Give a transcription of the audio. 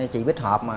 chị bích hợp